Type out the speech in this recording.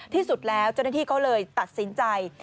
ที่สุดแล้วเจ้าหน้าที่ก็เลยตัดสินใจ